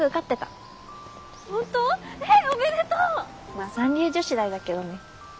まあ三流女子大だけどね。